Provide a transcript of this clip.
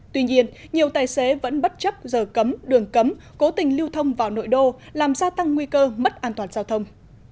tuy nhiên nhiều tài xế vẫn bất chấp giờ cấm đường cấm cố tình lưu thông vào nội đô làm gia tăng nguy cơ mất an toàn giao thông